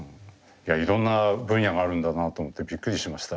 いやいろんな分野があるんだなと思ってびっくりしました。